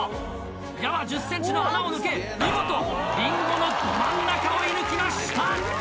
矢は１０センチの穴を抜け、見事、リンゴの真ん中を射ぬきました！